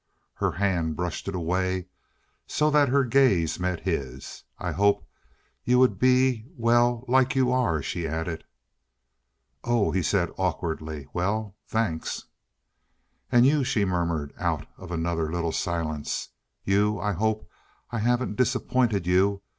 Her hand brushed it away so that her gaze met his. "I hoped you would be, well, like you are," she added. "Oh," he said awkwardly. "Well thanks." "And you," she murmured out of another little silence, "you I hope I haven't disappointed you.